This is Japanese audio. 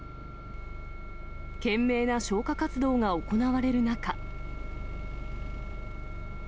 懸命な消火活動が行われる中。